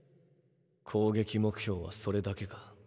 攻撃目標はそれだけか？